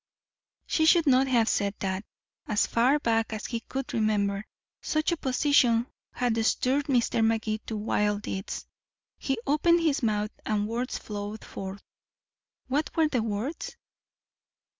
She should not have said that. As far back as he could remember, such opposition had stirred Mr. Magee to wild deeds. He opened his mouth and words flowed forth. What were the words?